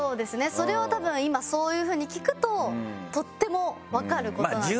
それを多分今そういう風に聞くととってもわかる事なんですよね。